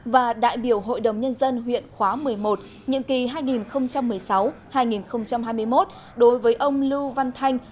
và đại biểu hội đồng nhân dân huyện khóa một mươi một nhiệm kỳ hai nghìn một mươi sáu hai nghìn hai mươi một đối với ông lưu văn thanh